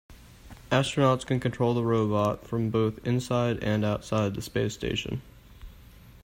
Astronauts can control the robot from both inside and outside the space station.